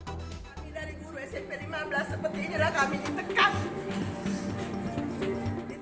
kami dari guru smp lima belas sepertinya kami ditekan